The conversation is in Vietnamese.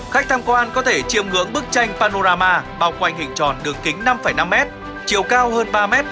khách tham quan có thể chiêm ngưỡng bức tranh panorama bao quanh hình tròn đường kính năm năm m chiều cao hơn ba m